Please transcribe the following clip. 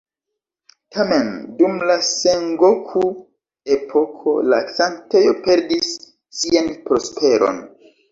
Tamen, dum la Sengoku-epoko la sanktejo perdis sian prosperon.